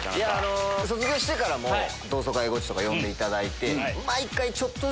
卒業してからも同窓会ゴチとか呼んでいただいて。